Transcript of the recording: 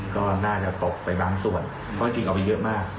ก็น่าจะตกไปบางส่วนเพราะจริงเอาไปเยอะมาก